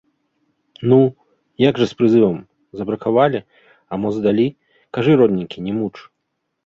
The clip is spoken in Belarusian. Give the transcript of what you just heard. Ну, як жа з прызывам, забракавалі, а мо здалі, кажы, родненькі, не муч.